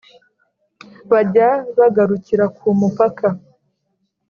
bajya bagarukira ku mupaka